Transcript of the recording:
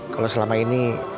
kalo selama ini